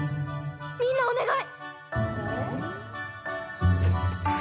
みんなお願い！